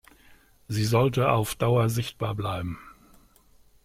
Sie sollte auf Dauer sichtbar bleiben.